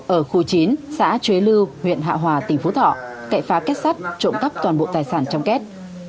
ở khu chín xã chuối lưu huyện hạ hòa tỉnh phú thọ cậy phá kết sắt trộm cắp toàn bộ tài sản trong kết